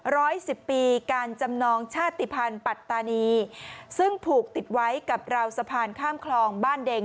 ร้อยสิบปีการจำนองชาติภัณฑ์ปัตตานีซึ่งผูกติดไว้กับราวสะพานข้ามคลองบ้านเด็ง